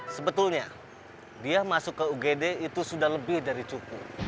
sebetulnya dia masuk ke ugd itu sudah lebih dari cukup